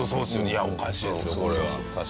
いやおかしいですよこれは。